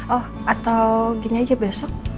oh atau gini aja besok